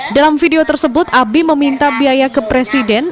dalam video tersebut abi meminta biaya ke presiden